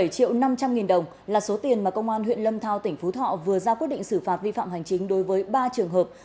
bảy triệu năm trăm linh nghìn đồng là số tiền mà công an huyện lâm thao tỉnh phú thọ vừa ra quyết định xử phạt vi phạm hành chính đối với ba trường hợp